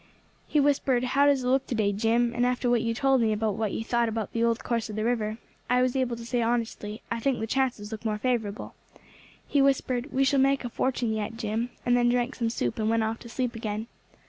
He whispered, 'How does it look to day, Jim?' and after what you told me about what you thought about the old course of the river, I was able to say honestly, 'I think the chances look more favourable.' He whispered, 'We shall make a fortune yet, Jim,' and then drank some soup and went off to sleep again.